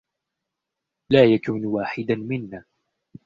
لا يكون واحدا منّا.